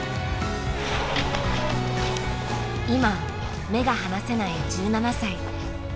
今目が離せない１７歳。